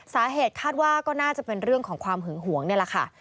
สาเหตุคาดว่าก็น่าจะเป็นเรื่องของความหึงหวงนี่แหละค่ะ